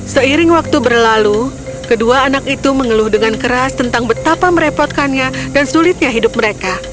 seiring waktu berlalu kedua anak itu mengeluh dengan keras tentang betapa merepotkannya dan sulitnya hidup mereka